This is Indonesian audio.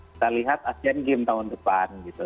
kita lihat asean games tahun depan gitu